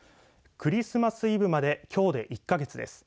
クリスマスイブまできょうで１か月です。